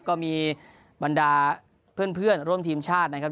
ก็มีบรรดาเพื่อนร่วมทีมชาตินะครับ